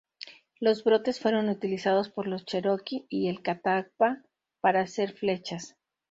Los brotes fueron utilizados por los Cheroqui y el Catawba para hacer flechas.